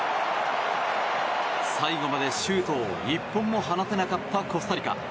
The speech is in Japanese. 最後までシュートを１本も放てなかったコスタリカ。